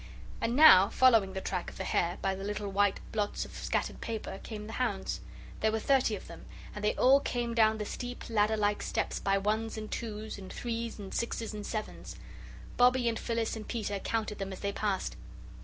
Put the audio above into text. And now, following the track of the hare by the little white blots of scattered paper, came the hounds. There were thirty of them, and they all came down the steep, ladder like steps by ones and twos and threes and sixes and sevens. Bobbie and Phyllis and Peter counted them as they passed.